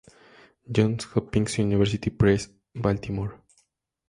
Johns Hopkins University Press, Baltimore.